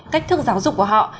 cách thức giáo dục của họ